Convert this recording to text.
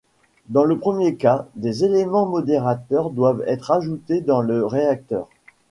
Dans le premier cas, des éléments modérateurs doivent être ajoutés dans le réacteur.